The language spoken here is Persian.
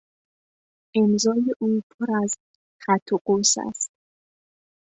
امضای او پراز خط و قوس است.